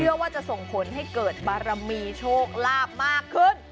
เพื่อว่าจะส่งผลให้เกิดบารมีโชคลาภมากขึ้น